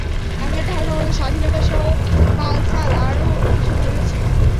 আমার ধারণা ওরা স্বাধীনতাসহ বালছাল আরো কিছু বলেছে।